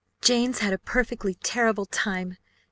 "Jane's had a perfectly terrible time!"